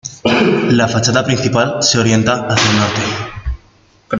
La fachada principal se orienta hacia el norte.